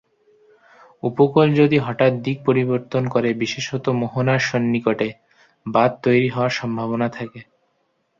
উপকূল যদি হঠাৎ দিক পরিবর্তন করে, বিশেষত মোহনার সন্নিকটে, বাঁধ তৈরি হওয়ার সম্ভাবনা থাকে।